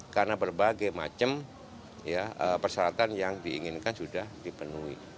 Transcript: karena berbagai macam persyaratan yang diinginkan sudah dipenuhi